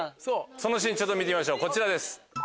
そのシーン見てみましょうこちらです。